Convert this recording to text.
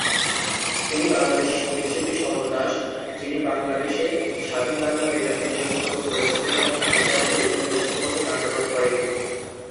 তিনি বাংলাদেশী সংগীতশিল্পী সমর দাস যিনি বাংলাদেশে স্বাধীন বাংলা বেতার কেন্দ্র স্থাপন করেছিলেন তার সাহায্যার্থে বিভিন্ন দেশাত্মবোধক গান রেকর্ড করেন।